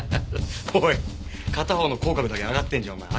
おい片方の口角だけ上がってるじゃんお前。